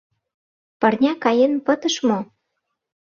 Пырня каен пытыш мо?